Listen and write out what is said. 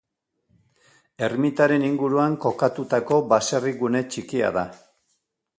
Ermitaren inguruan kokatutako baserri-gune txikia da.